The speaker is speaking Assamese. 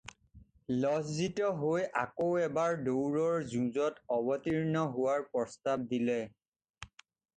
লজ্জিত হৈ আকৌ এবাৰ দৌৰৰ যুঁজত অৱতীৰ্ণ হোৱাৰ প্ৰস্তাৱ দিলে।